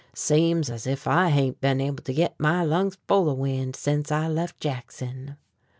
Seems ez if I hain't been able to git my lungs full of wind sense I left Jackson."